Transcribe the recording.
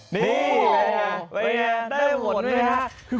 นี่เลยนะวันนี้ได้หมดด้วยครับ